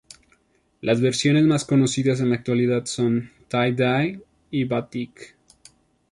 Las versiones más conocidas en la actualidad son tie-dye y batik.